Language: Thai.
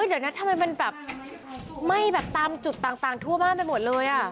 เอออุ้ยเดี๋ยวนะทำไมมันแบบไม่แบบตามจุดต่างต่างทั่วบ้านไปหมดเลยอ่ะ